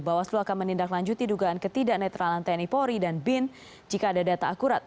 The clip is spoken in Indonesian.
bawaslu akan menindaklanjuti dugaan ketidak netralan tni polri dan bin jika ada data akurat